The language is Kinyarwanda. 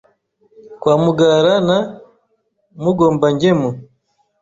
Kwa Mugara na Mugombangemu